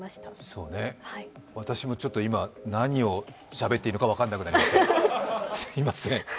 そうね、私もちょっと今、何をしゃべっていいのか分からなくなりました、すみません。